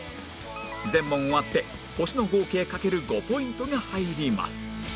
全問終わって星の合計掛ける５ポイントが入ります